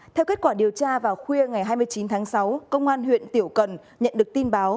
theo kết quả điều tra vào khuya ngày hai mươi chín tháng sáu công an huyện tiểu cần nhận được tin báo